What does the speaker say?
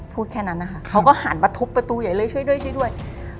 พูดแค่นั้นนะคะเขาก็หันมาทุบประตูใหญ่เลยช่วยด้วยช่วยด้วย